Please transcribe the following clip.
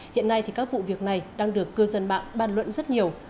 hiện nay các vụ việc này đang được cư dân mạng ban luận rất nhiều